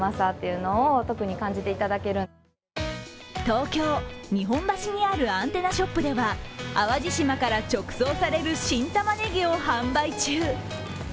東京・日本橋にあるアンテナショップでは淡路島から直送される新たまねぎを販売中。